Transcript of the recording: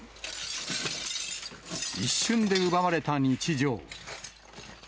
一瞬で奪われた日常。